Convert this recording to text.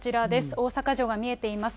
大阪城が見えています。